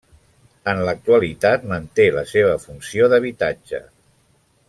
En l'actualitat manté la seva funció d'habitatge.